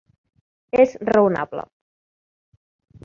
És raonable.